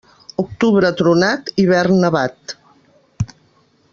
Octubre tronat, hivern nevat.